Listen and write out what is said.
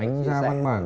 anh ra văn bản